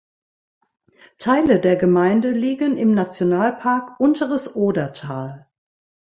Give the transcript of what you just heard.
Teile der Gemeinde liegen im Nationalpark Unteres Odertal.